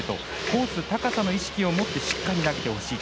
コース、高さの意識を持ってしっかり投げてほしい